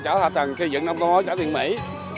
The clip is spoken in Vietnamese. cơ sở hạ tầng xây dựng nông thôn mới xã thiện mỹ